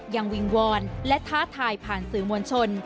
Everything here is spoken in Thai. วิงวอนและท้าทายผ่านสื่อมวลชน